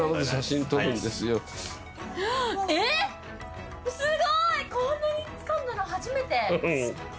えっすごいこんなにつかんだの初めて。